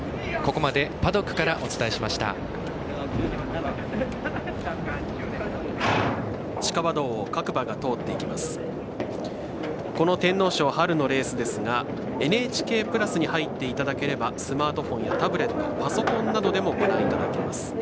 この天皇賞のレースですが「ＮＨＫプラス」に入っていただければスマートフォンやタブレットパソコンなどでもご覧いただけます。